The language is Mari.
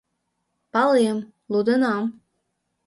— Палем, лудынам.